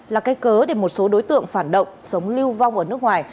là cây cớ để một số đối tượng phản động sống lưu vong ở nước ngoài